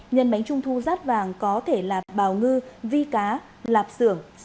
nhân bánh trung thu rát vàng có thể là bào ngư vi cá lạp sưởng xá xíu